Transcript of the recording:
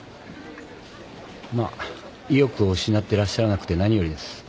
まあ意欲を失ってらっしゃらなくて何よりです。